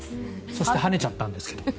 そしてはねちゃったんですけど。